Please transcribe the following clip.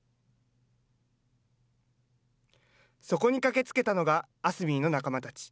そこに駆けつけたのが、アスミーの仲間たち。